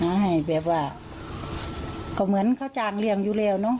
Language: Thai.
ให้แบบว่าก็เหมือนเขาจ้างเลี้ยงอยู่แล้วเนอะ